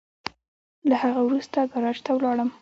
له هغه وروسته ګاراج ته ولاړم.